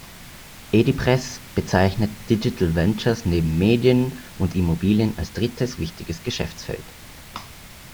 Edipresse bezeichnet «Digital Ventures» neben Medien und Immobilien als drittes wichtiges Geschäftsfeld.